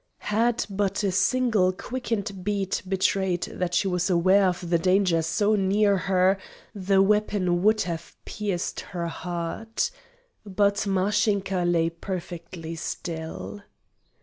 Had but a single quickened beat betrayed that she was aware of the danger so near her, the weapon would have pierced her heart. But Mashinka lay perfectly still.